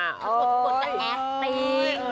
กดก็แอคติ้ง